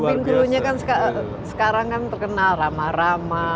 dan cabin crewnya kan sekarang kan terkenal rama rama